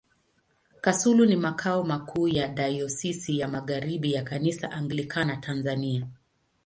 Kasulu ni makao makuu ya Dayosisi ya Magharibi ya Kanisa Anglikana Tanzania.